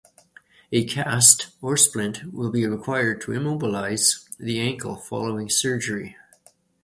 A cast or splint will be required to immobilize the ankle following surgery.